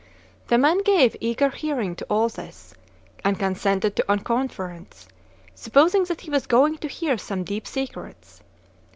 The man gave eager hearing to all this, and consented. to a conference, supposing that he was going to hear some deep secrets.